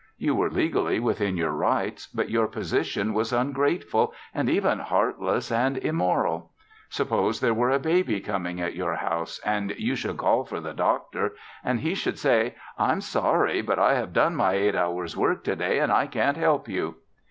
You were legally within your rights, but your position was ungrateful and even heartless and immoral. Suppose there were a baby coming at your house and you should call for the doctor and he should say, 'I'm sorry, but I have done my eight hours' work to day and I can't help you.'